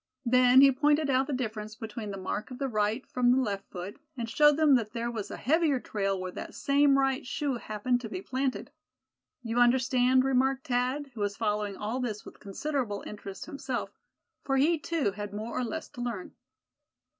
Then he pointed out the difference between the mark of the right from the left foot, and showed them that there was a heavier trail where that same right shoe happened to be planted. "You understand?" remarked Thad, who was following all this with considerable interest himself, for he, too, had more or less to learn.